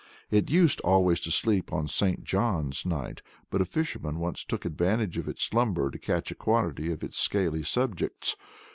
It used always to sleep on St. John's Night, but a fisherman once took advantage of its slumber to catch a quantity of its scaly subjects.